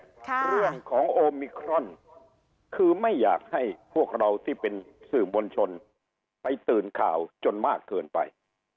ค่ะเรื่องของโอมิครอนคือไม่อยากให้พวกเราที่เป็นสื่อมวลชนไปตื่นข่าวจนมากเกินไป